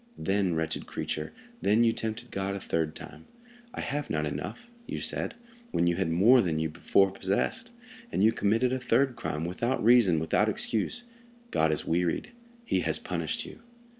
Then, wretched creature, then you tempted God a third time. 'I have not enough,' you said, when you had more than you before possessed, and you committed a third crime, without reason, without excuse. God is wearied; he has punished you."